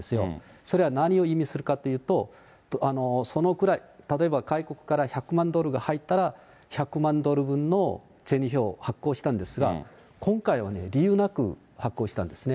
それは何を意味するかというと、そのくらい、例えば外国から１００万ドルが入ったら、１００万ドル分の銭票を発行したんですが、今回はね、理由なく発行したんですね。